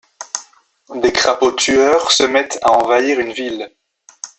Des crapauds tueurs se mettent à envahir une ville.